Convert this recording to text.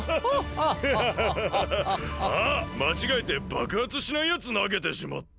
あっまちがえてばくはつしないやつなげてしまった。